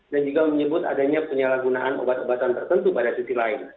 dan juga menyebut adanya penyalahgunaan obat obatan tertentu pada sisi lain